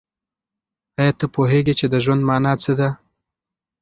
آیا ته پوهېږې چې د ژوند مانا څه ده؟